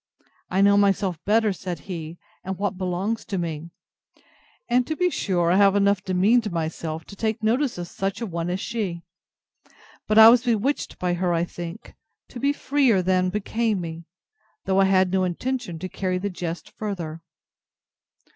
I know myself better, said he, and what belongs to me: And to be sure I have enough demeaned myself to take notice of such a one as she; but I was bewitched by her, I think, to be freer than became me; though I had no intention to carry the jest farther.